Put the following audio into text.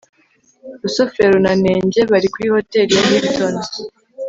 rusufero na nenge bari kuri hotel ya hilton